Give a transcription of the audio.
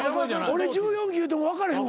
俺１４期いうても分かれへんわ。